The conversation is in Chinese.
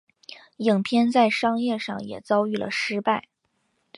影片在商业上也遭遇了失败。